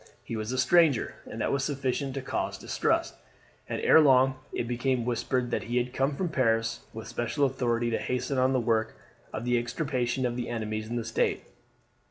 He was a stranger, and that was sufficient to cause distrust, and ere long it became whispered that he had come from Paris with special authority to hasten on the work of extirpation of the enemies of the state.